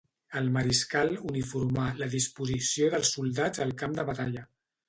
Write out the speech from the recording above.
El mariscal uniformà la disposició dels soldats al camp de batalla.